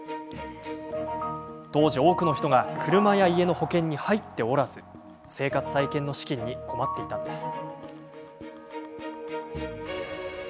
当時、多くの人が車や家の保険に入っておらず生活再建の資金に困っていたんです。